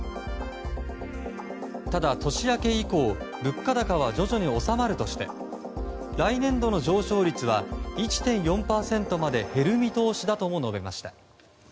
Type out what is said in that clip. ただ年明け以降物価高は徐々に収まるとして来年度の上昇率は１．４％まで減る見通しだとも述べました。